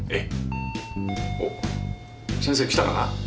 おっ先生来たかな。